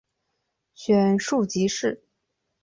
选庶吉士。